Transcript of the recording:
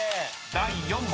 ［第４問］